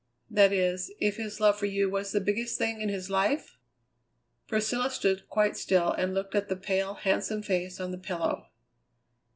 That is, if his love for you was the biggest thing in his life?" Priscilla stood quite still and looked at the pale, handsome face on the pillow.